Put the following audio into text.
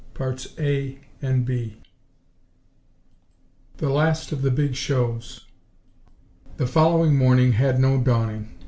CHAPTER XIII The Last of the Big Shows 1 The following morning had no dawning.